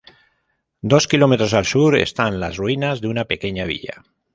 Dos kilómetros al sur están las ruinas de una pequeña villa.